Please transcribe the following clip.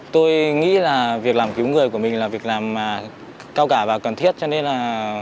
tôi nghĩ là việc làm cứu người của mình là việc làm cao cả và cần thiết cho nên là